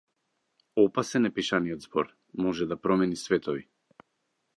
Опасен е пишаниот збор - може да промени светови.